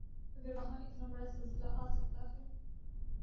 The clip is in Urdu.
اگر وہاں اتنا بڑا زلزلہ آ سکتا ہے۔